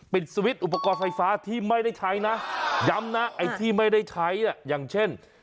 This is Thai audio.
สวิตช์อุปกรณ์ไฟฟ้าที่ไม่ได้ใช้นะย้ำนะไอ้ที่ไม่ได้ใช้อย่างเช่น